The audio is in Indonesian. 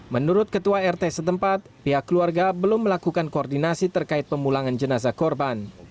menurut ketua rt setempat pihak keluarga belum melakukan koordinasi terkait pemulangan jenazah korban